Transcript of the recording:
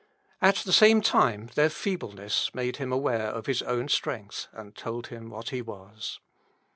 At the same time, their feebleness made him aware of his own strength, and told him what he was.